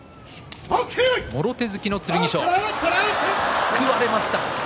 すくわれました。